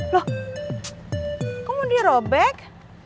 loh kamu dirobek